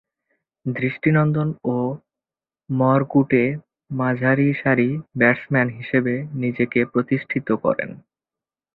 দৃষ্টিনন্দন ও মারকুটে মাঝারিসারির ব্যাটসম্যান হিসেবে নিজেকে প্রতিষ্ঠিত করেন।